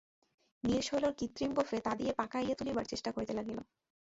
নীর শৈলর কৃত্রিম গোঁফে তা দিয়া পাকাইয়া তুলিবার চেষ্টা করিতে লাগিল।